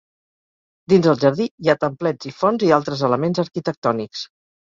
Dins el jardí hi ha templets i fonts i altres elements arquitectònics.